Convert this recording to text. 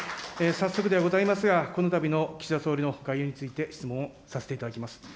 早速ではございますが、このたびの岸田総理の外遊について質問をさせていただきます。